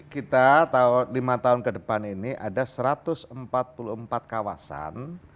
kita lima tahun ke depan ini ada satu ratus empat puluh empat kawasan